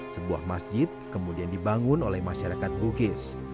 sebuah masjid kemudian dibangun oleh masyarakat bugis